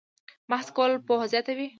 بحث کول پوهه زیاتوي؟